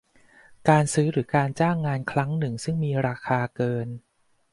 การซื้อหรือการจ้างครั้งหนึ่งซึ่งมีราคาเกิน